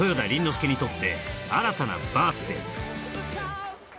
亮にとって新たなバース・デイ